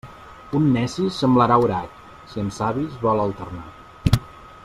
Un neci semblarà orat, si amb savis vol alternar.